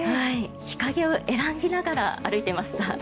日陰を選びながら歩いていました。